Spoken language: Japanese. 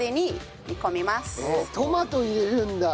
トマト入れるんだ！